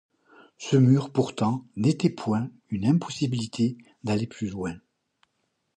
Ce mur pourtant n'était point une impossibilité d'aller plus loin.